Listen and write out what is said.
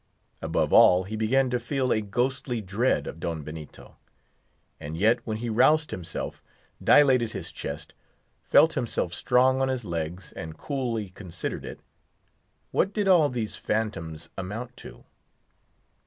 Above all, he began to feel a ghostly dread of Don Benito. And yet, when he roused himself, dilated his chest, felt himself strong on his legs, and coolly considered it—what did all these phantoms amount to?